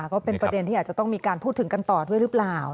ก็เป็นประเด็นที่อาจจะต้องมีการพูดถึงกันต่อด้วยหรือเปล่า